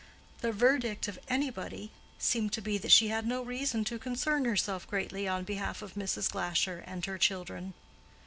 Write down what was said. The verdict of "anybody" seemed to be that she had no reason to concern herself greatly on behalf of Mrs. Glasher and her children.